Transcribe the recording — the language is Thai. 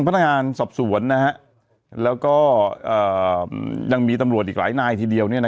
ก็คือทางพันธงาสอบสวนนะครับแล้วก็ยังมีตำรวจอีกหลายนายทีเดียว